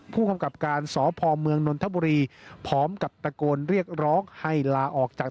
ผู้กำกับการสพเมืองนนทบุรีพร้อมกับตะโกนเรียกร้องให้ลาออกจาก